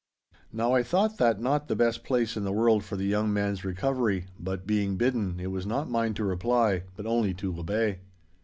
Now I thought that not the best place in the world for the young man's recovery, but, being bidden, it was not mine to reply, but only to obey.